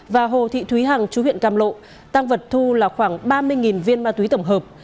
và hồ thị thúy hằng chú huyện cam lộ tăng vật thu là khoảng ba mươi viên ma túy tổng hợp